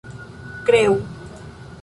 kreu